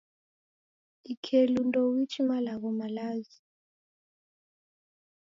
Ikelu ndouichi malagho malazi.